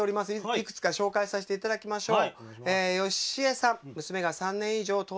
いくつか紹介させていただきましょう。